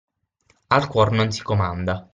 Al cuor non si comanda.